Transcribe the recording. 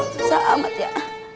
susah amat ya